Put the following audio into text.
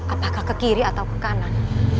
apakah ke kiri atau ke kanan